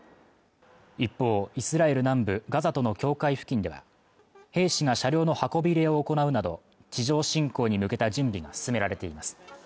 一方イスラエル南部ガザとの境界付近では兵士が車両の運び入れを行うなど地上侵攻に向けた準備が進められています